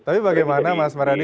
tapi bagaimana mas mareddy